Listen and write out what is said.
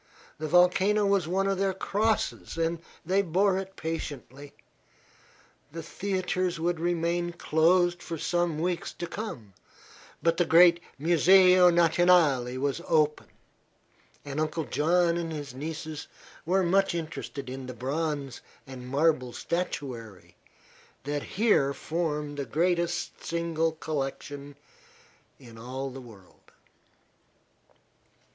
The volcano was one of their crosses, and they bore it patiently. The theatres would remain closed for some weeks to come, but the great Museo Nationale was open, and Uncle John and his nieces were much interested in the bronze and marble statuary that here form the greatest single collection in all the world.